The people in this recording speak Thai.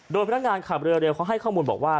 โดยพนักงานขับเรือเร็วเขาให้ข้อมูลบอกว่า